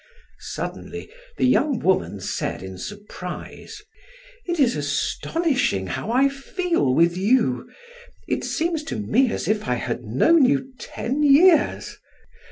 Suddenly the young woman said in surprise: "It is astonishing how I feel with you. It seems to me as if I had known you ten years.